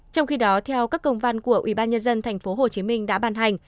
trong khi đó theo các công văn của ubnd tp hcm đã ban hành